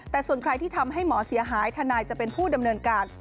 แต่ส่วนใครที่ทำให้หมอเสียหายทนายจะเป็นผู้ดำเนินการ